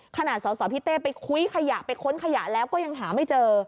สสพี่เต้ไปคุ้ยขยะไปค้นขยะแล้วก็ยังหาไม่เจอ